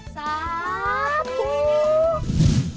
สาม